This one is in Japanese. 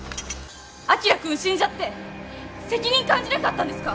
晶くん死んじゃって責任感じなかったんですか！？